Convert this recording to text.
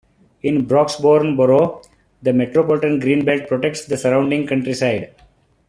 In Broxbourne borough, the Metropolitan Green Belt protects the surrounding countryside.